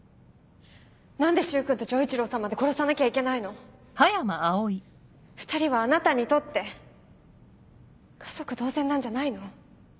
何で柊君と丈一郎さんまで殺さなきゃいけないの⁉２人はあなたにとって家族同然なんじゃないの？